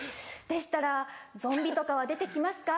「でしたらゾンビとかは出て来ますか？」。